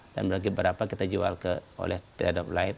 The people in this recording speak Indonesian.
dan berarti berapa kita jual oleh trail of life